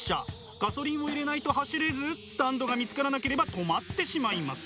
ガソリンを入れないと走れずスタンドが見つからなければ止まってしまいます。